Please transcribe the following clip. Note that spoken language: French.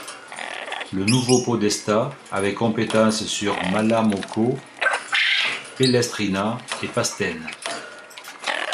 Le nouveau podestat avait compétence sur Malamocco, Pellestrina et Pastene.